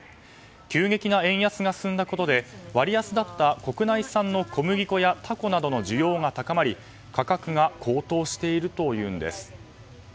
急激な円安が進んだことで割安だった国内産の小麦粉やタコなどの需要が高まり価格が高騰しているというんです。